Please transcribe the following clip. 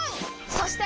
そして！